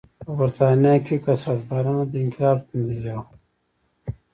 په برېټانیا کې کثرت پالنه د انقلاب نتیجه وه.